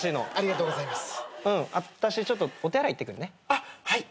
あっはい。